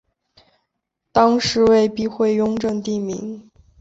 当是为避讳雍正帝名。